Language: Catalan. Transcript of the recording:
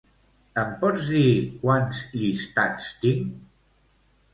Em pots dir quants llistats tinc?